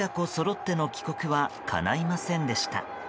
親子そろっての帰国はかないませんでした。